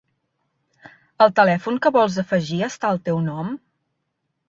El telèfon que vols afegir està al teu nom?